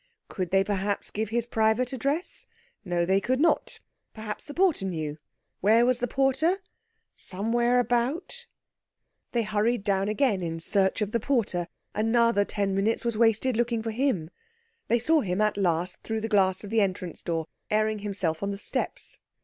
Could they perhaps give his private address? No, they could not; perhaps the porter knew. Where was the porter? Somewhere about. They hurried downstairs again in search of the porter. Another ten minutes was wasted looking for him. They saw him at last through the glass of the entrance door, airing himself on the steps.